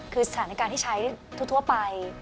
คือสถานการณ์ที่ใช้ทั่วไป